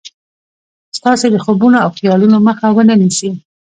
ستاسې د خوبونو او خيالونو مخه و نه نيسي.